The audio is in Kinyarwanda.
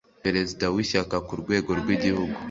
Perezida w Ishyaka ku rwego rw Igihugu